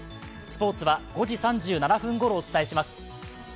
スポーツは５時３７分ごろお伝えします。